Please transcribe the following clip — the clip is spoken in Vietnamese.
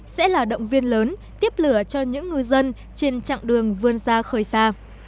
sẽ là động viên lớn tiếp lửa cho những ngư dân trên trạng đường vươn xa khơi xa